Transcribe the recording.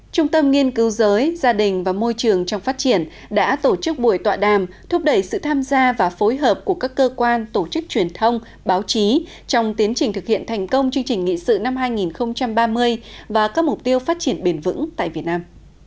trung tâm nghiên cứu giới gia đình và môi trường trong phát triển đã tổ chức buổi tọa đàm thúc đẩy sự tham gia và phối hợp của các cơ quan tổ chức truyền thông báo chí trong tiến trình thực hiện thành công chương trình nghị sự năm hai nghìn ba mươi và các mục tiêu phát triển bền vững tại việt nam